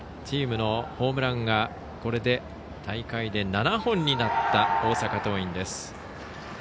チームのホームランがこれで大会で７本になった大阪桐蔭です。